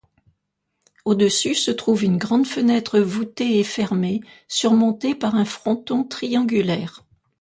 Au-dessus se trouve une grande fenêtre voûtée et fermée, surmontée par un fronton triangulaire.